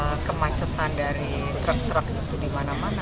karena kemacetan dari truk truk itu di mana mana